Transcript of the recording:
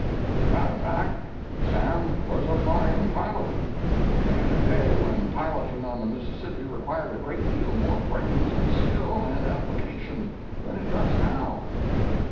As a matter of fact, Sam was a fine pilot, and in a day when piloting on the Mississippi required a great deal more brains and skill and application than it does now.